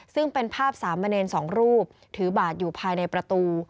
ซึ่งเป็นภาพสามเณรสองรูปถือบาทอยู่ภายในประตู